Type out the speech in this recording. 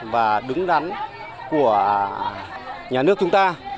và đứng đắn của nhà nước chúng ta